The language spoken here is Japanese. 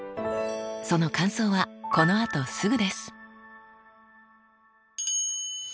その感想はこのあとすぐです。